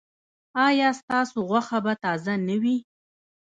ایا ستاسو غوښه به تازه نه وي؟